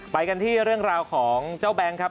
ไปกันที่เรื่องราวของเจ้าแบงค์ครับ